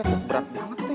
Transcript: udah berat banget deh